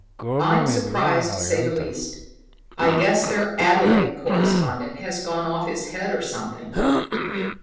"I'm surprised, to say the least. I guess their Adelaide correspondent has gone off his head or something.